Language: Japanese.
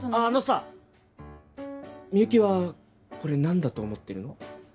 あのさみゆきはこれ何だと思ってるの？